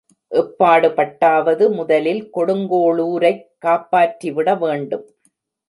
எப்பாடுபட்டாவது முதலில் கொடுங்கோளுரைக் காப்பாற்றி விட வேண்டும்.